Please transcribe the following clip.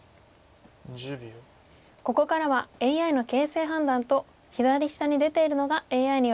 ここからはＡＩの形勢判断と左下に出ているのがＡＩによる予想手です。